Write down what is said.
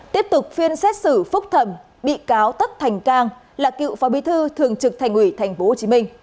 tiếp tục phiên xét xử phúc thẩm bị cáo tất thành cang là cựu phó bí thư thường trực thành ủy tp hcm